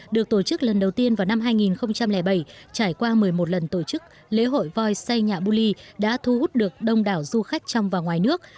được tổ chức lần đầu tiên vào năm hai nghìn bảy trải qua một mươi một lần tổ chức lễ hội voi say nhạ bu ly đã thu hút được đông đảo du khách trong và ngoài nước